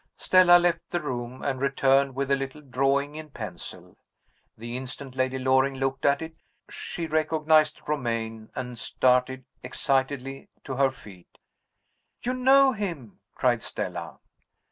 Stella left the room and returned with a little drawing in pencil. The instant Lady Loring looked at it, she recognized Romayne and started excitedly to her feet. "You know him!" cried Stella.